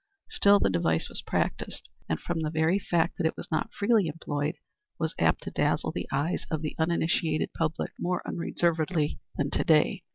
Still the device was practised, and from the very fact that it was not freely employed, was apt to dazzle the eyes of the uninitiated public more unreservedly than to day.